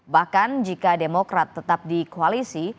bahkan jika demokrat tetap di koalisi